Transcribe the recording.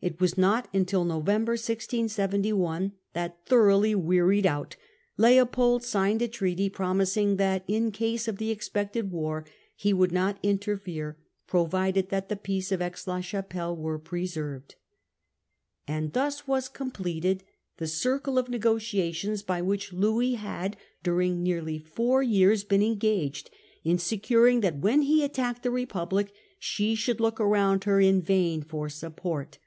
It was not until November, 1671, that, thoroughly wearied out, Leopold signed a treaty promising that in case of the expected war he would not interfere provided that the Peace of Aix la Chapelle were preserved. 1671. 193 The Cabal And thus was completed the circle of negotiations by which Louis had during nearly four years been engaged in securing that, when he attacked the Republic, she should look around her in vain for support.